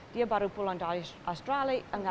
dia baru pulang dari australia